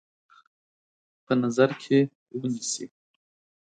په نظر کې ونیسي.